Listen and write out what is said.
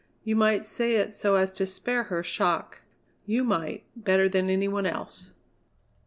You might say it so as to spare her shock; you might, better than any one else!"